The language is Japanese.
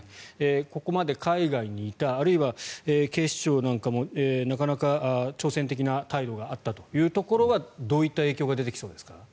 ここまで海外にいたあるいは警視庁なんかもなかなか挑戦的な態度があったというところはどういった影響が出てきそうですか？